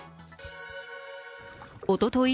おととい